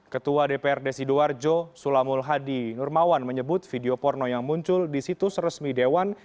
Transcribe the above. ketua dprd sidoarjo sulamul hadi nurmawan menyebut video porno yang muncul di situs resmi dewan